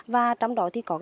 và trong đó thì có